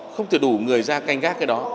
không thể đủ người ra canh gác cái đó